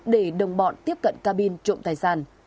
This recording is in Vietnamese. để đồng bọn tiếp cận cabin trộm tài sản